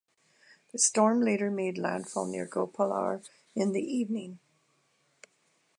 The storm later made landfall near Gopalpur in the evening.